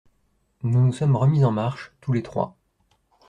Nous nous sommes remis en marche, tous les trois.